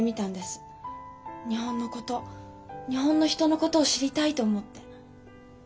日本のこと日本の人のことを知りたいと思って。